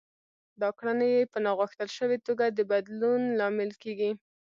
دا کړنې يې په ناغوښتل شوې توګه د بدلون لامل کېږي.